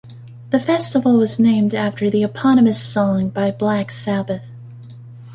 The festival was named after the eponymous song by Black Sabbath.